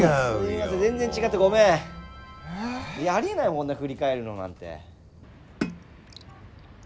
いやありえないもんな振り返るのなんて。